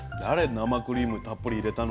生クリームたっぷり入れたの。